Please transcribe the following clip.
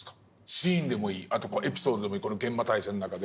シーンでもいいあとエピソードでもいいこの「幻魔大戦」の中で。